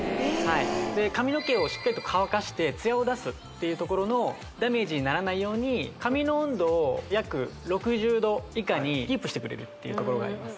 髪の毛をしっかりと乾かしてツヤを出すっていうところのダメージにならないように髪の温度を約６０℃以下にキープしてくれるっていうところがあります